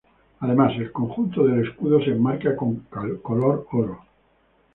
Además, el conjunto del escudo se enmarca con color oro.